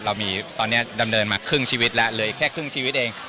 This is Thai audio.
เรามีตอนนี้ดำเนินมาครึ่งชีวิตแล้วเลยแค่ครึ่งชีวิตเอง